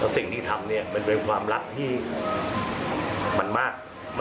สิ่งที่ทำเนี่ยมันเป็นความรักที่มันมาก